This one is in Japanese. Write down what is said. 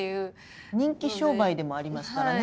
人気商売でもありますからね。